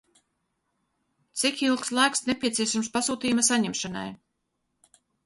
Cik ilgs laiks nepieciešams pasūtījuma saņemšanai?